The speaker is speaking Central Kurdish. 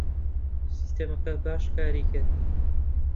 سیستەمەکە باش کاری کرد.